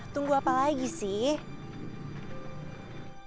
tunggu apa lagi sih